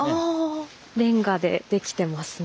レンガでできてますね。